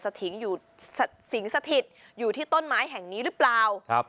รวมจะถึงสิงศักดิ์สิทธิ์อยู่ที่ต้นไม้แห่งนี้หรือเปล่า